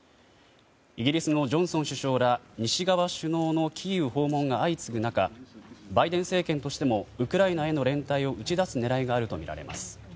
イギリスのジョンソン首相ら西側首脳のキーウ訪問が相次ぐ中バイデン政権としてもウクライナへの連帯を打ち出す狙いがあるとみられます。